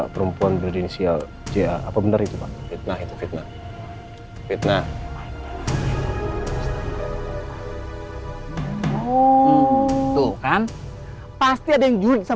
perempuan berinisial ja apa bener itu pak nah itu fitnah fitnah tuh kan pasti ada yang jud sama